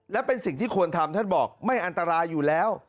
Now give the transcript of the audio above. และเป็นสิ่งที่ควรทำท่านบอกไม่อันตรายอยู่แล้ว